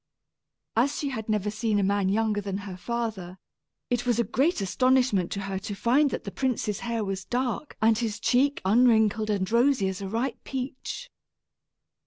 As she had never seen a man younger than her father, it was a great astonishment to her to find that the prince's hair was dark and his cheek unwrinkled and rosy as a ripe peach.